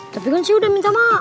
tapi kan si udah minta maaf